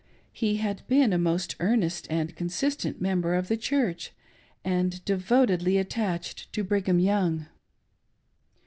He had been a most earnest and consistent member of the Church, and devotedly attached to Brigham Young.